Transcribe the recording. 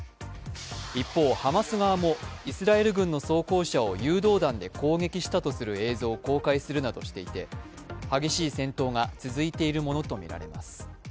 一方、ハマス側もイスラエル軍の装甲車を誘導弾で攻撃したとす映像を公開するなどしていて激しい戦闘が続いているものとみられます。